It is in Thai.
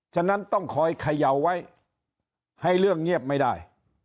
ฉะนั้นต้องคอยเขย่าไว้ให้เรื่องเงียบไม่ได้